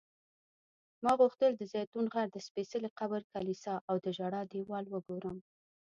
ما غوښتل د زیتون غر، د سپېڅلي قبر کلیسا او د ژړا دیوال وګورم.